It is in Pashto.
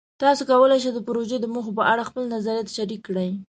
تاسو کولی شئ د پروژې د موخو په اړه خپلې نظریات شریک کړئ.